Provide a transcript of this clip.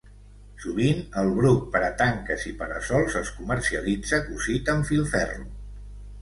Sovint el bruc per a tanques i para-sols es comercialitza cosit amb filferro.